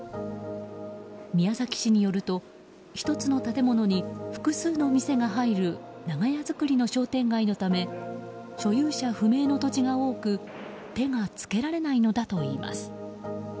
宮崎市によると、１つの建物に複数の店が入る長屋づくりの商店街のため所有者不明の土地が多く手が付けられないのだといいます。